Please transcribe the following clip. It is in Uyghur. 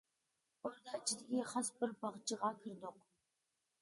ئوردا ئىچىدىكى خاس بىر باغچىغا كىردۇق.